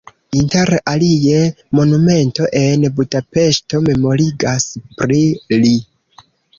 Inter alie monumento en Budapeŝto memorigas pri li.